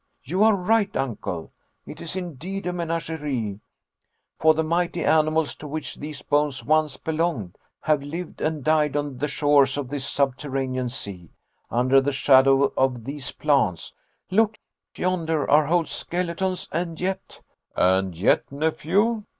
You are right, Uncle, it is indeed a menagerie; for the mighty animals to which these bones once belonged, have lived and died on the shores of this subterranean sea, under the shadow of these plants. Look, yonder are whole skeletons and yet " "And yet, nephew?"